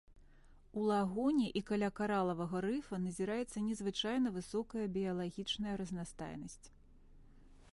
У лагуне і каля каралавага рыфа назіраецца незвычайна высокая біялагічная разнастайнасць.